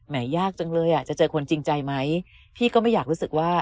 ยากจังเลยอ่ะจะเจอคนจริงใจไหมพี่ก็ไม่อยากรู้สึกว่า